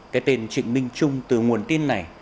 cái tên trịnh minh trung từ nguồn tin này